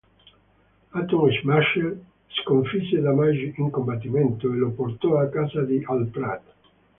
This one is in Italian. Atom Smasher sconfisse Damage in combattimento e lo portò a casa di Al Pratt.